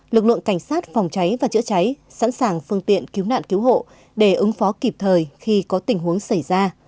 lực lượng cảnh sát phòng cháy và chữa cháy sẵn sàng phương tiện cứu nạn cứu hộ để ứng phó kịp thời khi có tình huống xảy ra